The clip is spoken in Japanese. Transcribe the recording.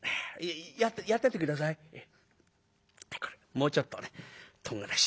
もうちょっとねとんがらし。